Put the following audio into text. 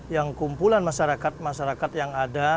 yang kumpulan masyarakat masyarakat yang ada